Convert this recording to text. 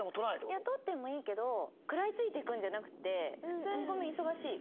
いや取ってもいいけど食らい付いていくんじゃなくて普通に「ごめん忙しい」。